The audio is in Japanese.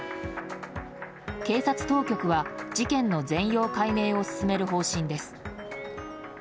警察当局は事件の全容解明を進める方針です。